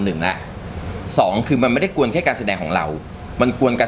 หนึ่งแล้วสองคือมันไม่ได้กวนแค่การแสดงของเรามันกวนกัน